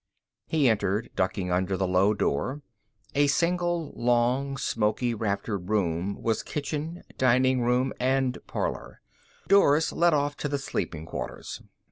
He entered, ducking under the low door. A single long, smoky raftered room was kitchen, diningroom, and parlor; doors led off to the sleeping quarters.